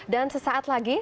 dan sesaat lagi